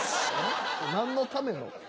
何のための？